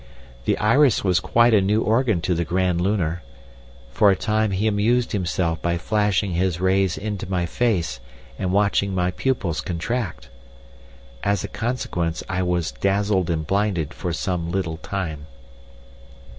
"The iris was quite a new organ to the Grand Lunar. For a time he amused himself by flashing his rays into my face and watching my pupils contract. As a consequence, I was dazzled and blinded for some little time....